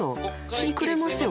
日暮れますよ